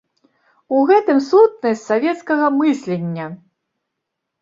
У гэтым сутнасць савецкага мыслення!